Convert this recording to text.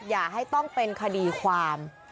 อย่าให้ต้องเป็นคดีความ